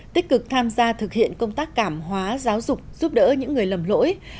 tích cực tham gia thực hiện công tác cảm hóa giáo dục giúp đỡ những người lầm lỗi